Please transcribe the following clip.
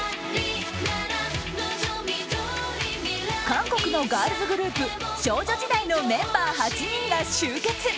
韓国のガールズグループ少女時代のメンバー８人が集結！